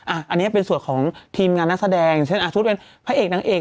อันนี้เป็นส่วนของทีมงานนักแสดงเช่นสมมุติเป็นพระเอกนางเอก